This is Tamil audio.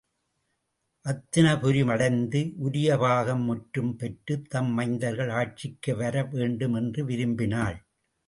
அத்தினாபுரி அடைந்து உரிய பாகம் முற்றும் பெற்றுத் தம் மைந்தர்கள் ஆட்சிக்கு வரவேண்டும் என்று விரும்பினாள்.